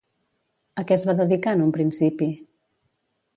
A què es va dedicar en un principi?